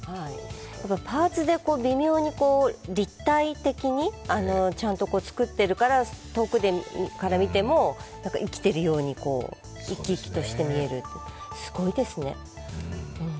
やっぱパーツで微妙に立体的にちゃんと作ってるから遠くから見ても生きているように生き生きとして見える、すごいですね。